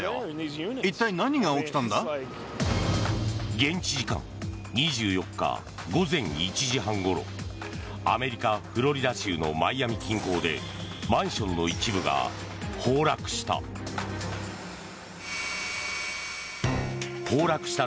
現地時間２４日午前１時半ごろアメリカ・フロリダ州のマイアミ近郊でマンションの一部が崩落した。